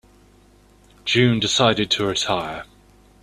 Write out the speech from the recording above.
June decided to retire.